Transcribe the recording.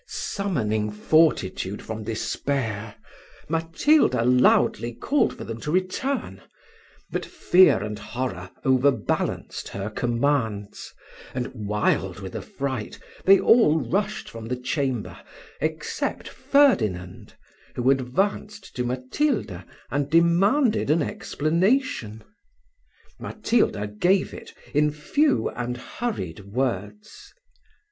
Summoning fortitude from despair, Matilda loudly called for them to return; but fear and horror overbalanced her commands, and, wild with affright, they all rushed from the chamber, except Ferdinand, who advanced to Matilda, and demanded an explanation. Matilda gave it, in few and hurried words.